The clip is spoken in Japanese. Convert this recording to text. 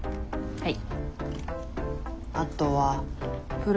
はい。